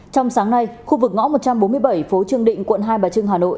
trong sáng nay khu vực ngõ một trăm bốn mươi bảy phố trương định quận hai bà trưng hà nội